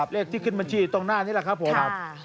เลขที่ขึ้นบัญชีตรงหน้านี้แหละครับผม